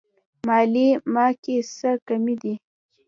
مالې ما کې څه کمی دی.